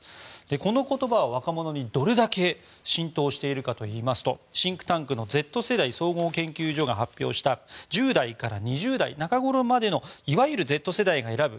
この言葉は若者にどれだけ浸透しているかといいますとシンクタンクのＺ世代総合研究所が発表した１０代から２０代中ごろまでのいわゆるＺ世代が選ぶ